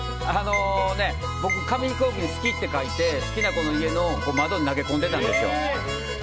僕、紙飛行機に好きって書いて好きな子の家の窓に投げ込んでたんですよ。